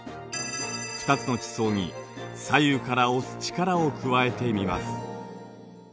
２つの地層に左右から押す力を加えてみます。